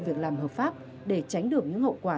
việc làm hợp pháp để tránh được những hậu quả